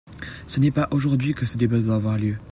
Ce n’est pas aujourd’hui que ce débat doit avoir lieu.